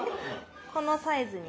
このサイズに。